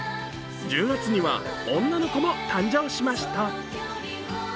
１０月には女の子も誕生しました。